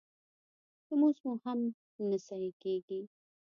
لمونځ مو هم نه صحیح کېږي